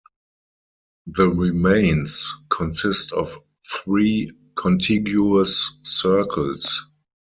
The "remains" consist of three contiguous circles.